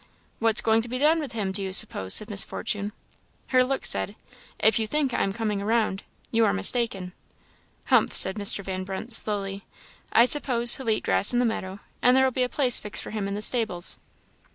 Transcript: "What's going to be done with him, do you suppose?" said Miss Fortune. Her look said, "If you think I am coming round, you are mistaken." "Humph!" said Mr. Van Brunt, slowly "I s'pose he'll eat grass in the meadow, and there'll be a place fixed for him in the stables."